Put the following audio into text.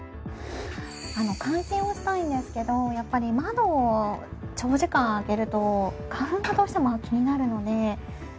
換気をしたいんですけどやっぱり窓を長時間開けると花粉がどうしても気になるので。